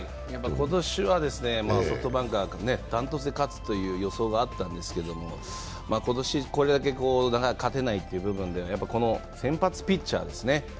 今年はソフトバンクが断トツで勝つという予想があったんですけど今年、これだけ勝てないという部分ではこの先発ピッチャーですね。